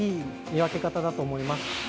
見分け方だと思います。